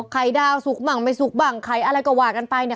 ไข่ดาวสุกบ้างไม่สุกบ้างไข่อะไรก็ว่ากันไปเนี่ย